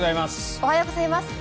おはようございます。